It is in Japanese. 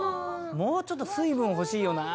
もうちょっと水分ほしいよ